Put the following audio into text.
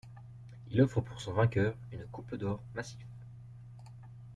Il offre pour son vainqueur une coupe d'or massif.